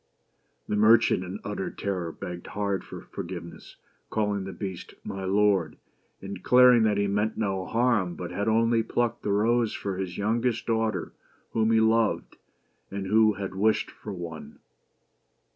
The merchant, in utter terror, begged hard for forgiveness, calling the Beast " my lord," and declaring that he meant no harm, but had only plucked the rose for his youngest daughter, whom he loved, and who had wished for one.